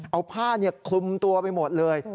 เอาผ้าคลุมตัวไปหมดเลย